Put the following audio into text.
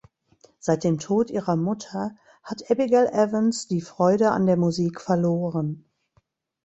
Seit dem Tod ihrer Mutter hat Abigail Evans die Freude an der Musik verloren.